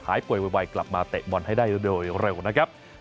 ป่วยไวกลับมาเตะบอลให้ได้โดยเร็วนะครับ